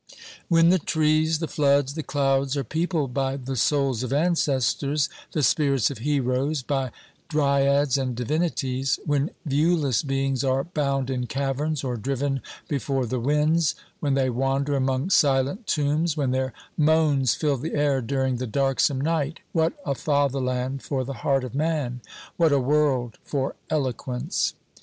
When the trees, the floods, the clouds are peopled by the souls of ancestors, the spirits of heroes, by dryads and divinities ; when viewless beings are bound in caverns or driven before the winds, when they wander among silent tombs, when their moans fill the air during the darksome night — what a fatherland for the heart of man ! what a world for eloquence